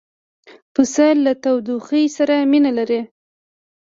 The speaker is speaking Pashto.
پسه له تودوخې سره مینه لري.